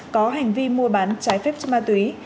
có hành vi mua bán trái phép chất ma túy